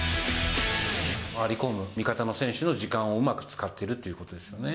回り込む味方の選手の時間をうまく使ってるということですよね。